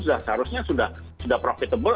seharusnya sudah profitable